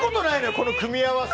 この組み合わせ。